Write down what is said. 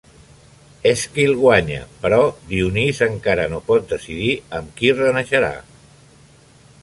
Èsquil guanya, però Dionís encara no pot decidir amb qui renaixerà.